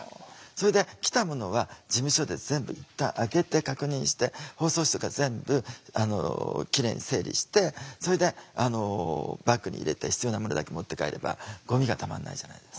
それで来たものは事務所で全部いったん開けて確認して包装紙とか全部キレイに整理してそれでバッグに入れて必要なものだけ持って帰ればゴミがたまんないじゃないですか。